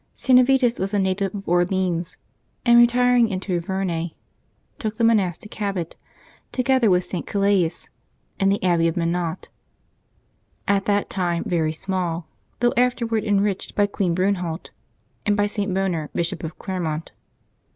^T. AviTUS was a native of Orleans, and, retiring into Auvergne, took the monastic habit, together with St. Calais, in the abbey of Menat, at that time very small, though afterward enriched by Queen Brunehault, and by St. Boner, Bishop of Clermont.